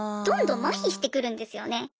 どんどん麻痺してくるんですよね。